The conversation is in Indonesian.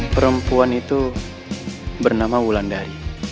perempuan itu bernama wulan dari